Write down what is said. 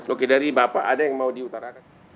oke dari bapak ada yang mau diutarakan